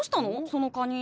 そのカニ。